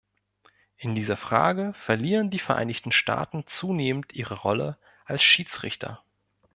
In dieser Frage verlieren die Vereinigten Staaten zunehmend ihre Rolle als Schiedsrichter.